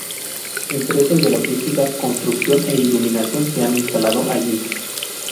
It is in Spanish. Empresas de logística, construcción e iluminación se han instalado allí.